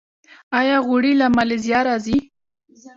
آیا غوړي له مالیزیا راځي؟